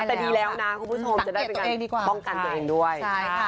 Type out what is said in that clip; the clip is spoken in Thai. แต่ดีแล้วนะคุณผู้ชมจะได้เป็นการป้องกันตัวเองด้วย